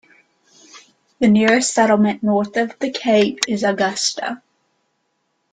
The nearest settlement, north of the cape, is Augusta.